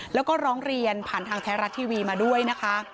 แล้วก็ร้องเรียนผ่านทางไทยรัฐทีวีมาด้วยนะคะ